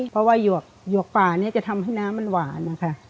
เพราะว่าหยวกป่าเนี่ยจะทำให้น้ำมันหวานนะคะ